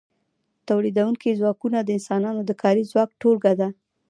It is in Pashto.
تولیدونکي ځواکونه د انسانانو د کاري ځواک ټولګه ده.